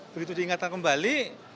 begitu diingatkan kembali